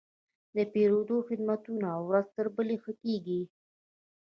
د پیرود خدمتونه ورځ تر بلې ښه کېږي.